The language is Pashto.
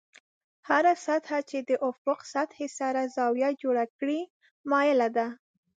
هره سطحه چې د افق سطحې سره زاویه جوړه کړي مایله ده.